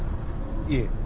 いえ。